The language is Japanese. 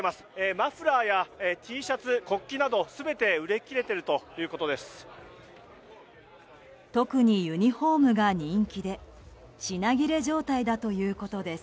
マフラーやＴシャツ、国旗など全て売り切れているということです。